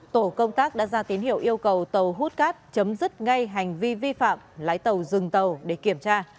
tổ công tác đã ra tín hiệu yêu cầu tàu hút cát chấm dứt ngay hành vi vi phạm lái tàu dừng tàu để kiểm tra